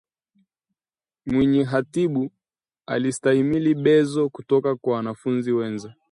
Mwinyihatibu alistahimili bezo kutoka kwa wanafunzi wenza